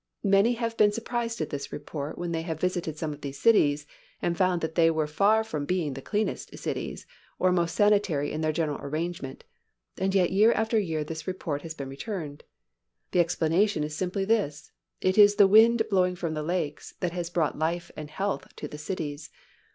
Many have been surprised at this report when they have visited some of these cities and found that they were far from being the cleanest cities, or most sanitary in their general arrangement, and yet year after year this report has been returned. The explanation is simply this, it is the wind blowing from the lakes that has brought life and health to the cities.